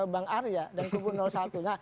bang arya dan kubu satu nah